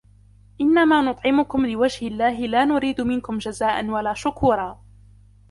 إِنَّمَا نُطْعِمُكُمْ لِوَجْهِ اللَّهِ لَا نُرِيدُ مِنْكُمْ جَزَاءً وَلَا شُكُورًا